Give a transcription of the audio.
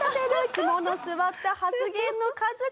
肝の据わった発言の数々」